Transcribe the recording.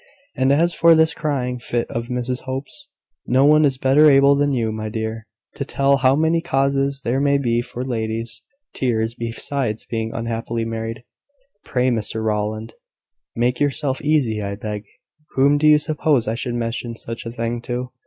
And as for this crying fit of Mrs Hope's, no one is better able than you, my dear, to tell how many causes there may be for ladies' tears besides being unhappily married." "Pray, Mr Rowland, make yourself easy, I beg. Whom do you suppose I should mention such a thing to?"